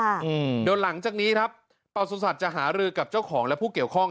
เดี๋ยวหลังจากนี้ครับประสุทธิ์จะหารือกับเจ้าของและผู้เกี่ยวข้อง